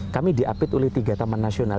kami diapit oleh tiga taman nasional